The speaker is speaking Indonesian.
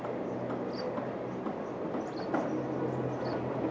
terima kasih pak